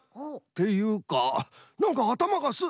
っていうかなんかあたまがス。